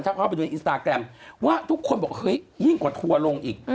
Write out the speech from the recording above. ถ้าเข้าไปดูในอินสตาแกรมว่าทุกคนบอกเฮ้ยยิ่งกว่าทัวร์ลงอีก